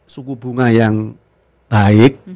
buku bunga yang baik